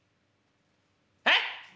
「えっ！？